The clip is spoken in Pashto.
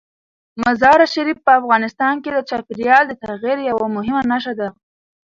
مزارشریف په افغانستان کې د چاپېریال د تغیر یوه مهمه نښه ده.